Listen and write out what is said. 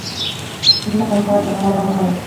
না মারার কারণ লাগে।